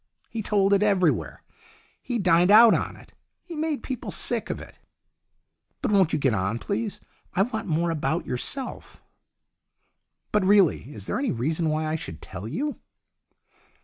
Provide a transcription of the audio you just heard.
He told it every where. He dined out on it. He made people sick of it." " But won't you get on, please ? I want more about yourself." "But really, is there any reason why I should tell you?"